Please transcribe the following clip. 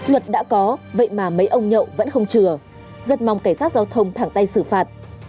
luật đã có vậy mà mấy ông nhậu vẫn không chừa rất mong cảnh sát giao thông thẳng tay xử phạt